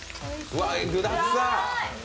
具だくさん！